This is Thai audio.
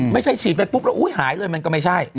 ไม่ใช่ฉีดไปปุ๊บแล้วอุ๊ยหายเลยมันก็ไม่ใช่